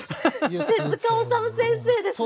手治虫先生ですね。